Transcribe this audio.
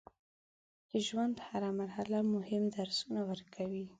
د ژوند هره مرحله مهم درسونه ورکوي.